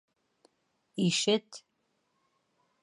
Ишет!